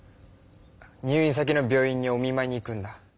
入院先の病院にお見まいに行くんだ。